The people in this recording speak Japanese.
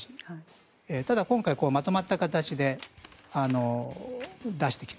ただ、今回まとまった形で出してきた。